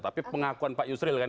tapi pengakuan pak yusril kan